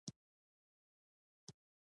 فکر د آزاد ذهن له لارې غوړېږي.